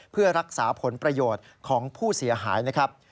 เพื่อรักษาผลประโยชน์ของผู้เสียหายนะครับ